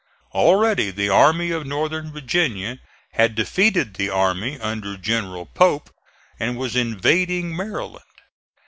Already the Army of Northern Virginia had defeated the army under General Pope and was invading Maryland.